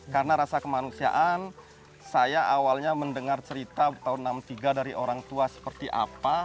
karena rasa kemanusiaan saya awalnya mendengar cerita tahun seribu sembilan ratus enam puluh tiga dari orang tua seperti apa